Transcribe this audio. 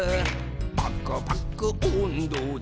「パクパクおんどで」